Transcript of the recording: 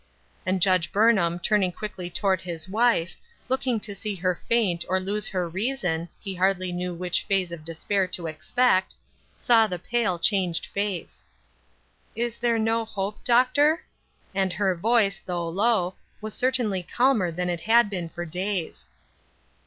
And Judge Burnham, turning quickly toward his wife, looking to see her faint or lose her rea son (he hardly knew which phase of despair to expect ), saw the pale, changed face. "Is there no hope, Doctor? "and her voice though low, was certainly calmer than it had been for days.